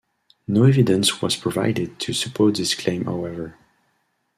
No evidence was provided to support this claim however.